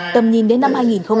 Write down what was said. tầm nhìn đến năm hai nghìn ba mươi